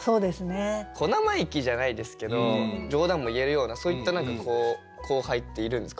小生意気じゃないですけど冗談も言えるようなそういった何か後輩っているんですか？